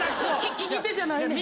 利き手じゃないねん。